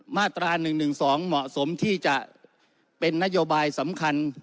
มาตรา๑๑๒เหมาะสมที่จะเป็นนโยบายสำคัญ